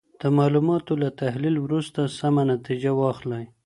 د معلوماتو له تحلیل وروسته سمه نتیجه واخلئ.